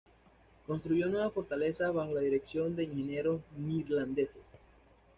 Construyó nuevas fortalezas, bajo la dirección de ingenieros neerlandeses.